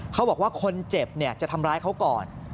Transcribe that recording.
เขาบอกว่าคนเจ็บจะทำร้ายเขาก่อน